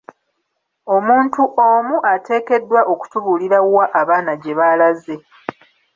Omuntu omu ateekeddwa okutubuulira wa abaana gye baalaze.